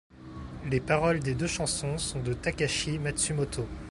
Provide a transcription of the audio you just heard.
Les paroles des deux chansons sont de Takashi Matsumoto.